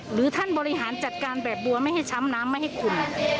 หรือท่านบริหารจัดการแบบบัวไม่ให้ช้ำน้ำไม่ให้คุม